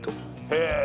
へえ！